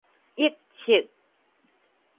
臆測